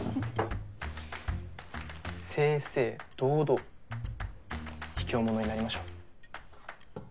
正々堂々卑怯者になりましょう。